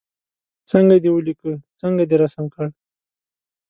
څنګه دې ولیکه څنګه دې رسم کړ.